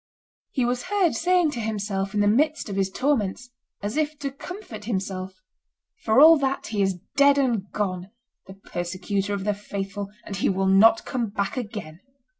He was heard saying to himself in the midst of his torments, and as if to comfort himself, "For all that, he is dead and gone, the persecutor of the faithful, and he will not come back again."